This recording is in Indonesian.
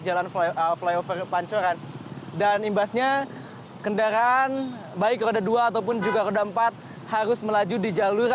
jalan flyover pancoran dan imbasnya kendaraan baik roda dua ataupun juga roda empat harus melaju di jalur